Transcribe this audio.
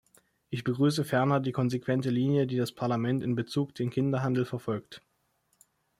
Ich begrüße ferner die konsequente Linie, die das Parlament in Bezug den Kinderhandel verfolgt.